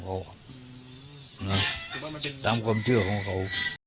หรือว่ามันเป็นตามความเชื่อของเขา